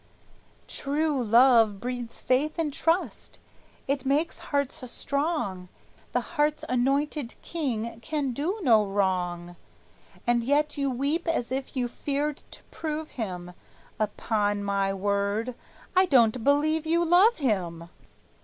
True love breeds faith and trust, it makes hearts strong; The heart's anointed king can do no wrong! And yet you weep as if you feared to prove him; Upon my word, I don't believe you love him!"